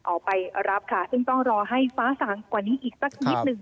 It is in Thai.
ออกไปรับค่ะซึ่งต้องรอให้ฟ้าสางกว่านี้อีกสักนิดหนึ่ง